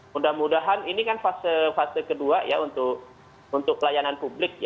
mudah mudahan ini kan fase fase kedua ya untuk pelayanan publik